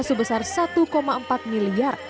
sebesar satu empat miliar